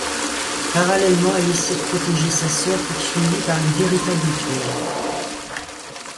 Parallèlement, elle essaie de protéger sa sœur, poursuivie par les véritables tueurs...